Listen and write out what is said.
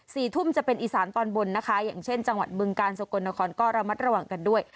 สี่ทุ่มจะเป็นอีสานตอนบนนะคะอย่างเช่นจังหวัดบึงกาลสกลนครก็ระมัดระวังกันด้วย